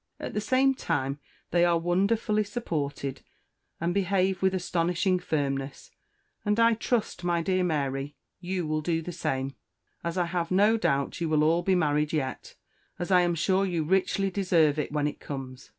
At the same Time, they are Wonderfully supported, and Behave with Astonishing firmness; and I Trust, my dear Mary, you will do the Same, as I have no Doubt you will All be married yet, as I am sure you Richly deserve it when it Comes.